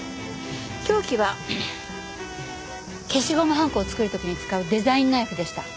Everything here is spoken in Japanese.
凶器は消しゴムはんこを作る時に使うデザインナイフでした。